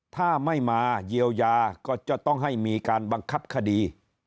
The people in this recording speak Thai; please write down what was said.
ถ้าไม่มาเยียวยาก็จะต้องให้มีการบังคับคดี